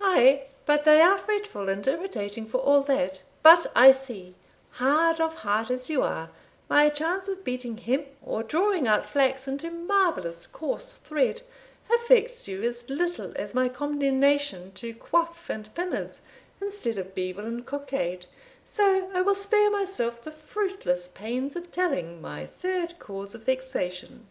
"Ay; but they are fretful and irritating, for all that. But I see, hard of heart as you are, my chance of beating hemp, or drawing out flax into marvellous coarse thread, affects you as little as my condemnation to coif and pinners, instead of beaver and cockade; so I will spare myself the fruitless pains of telling my third cause of vexation."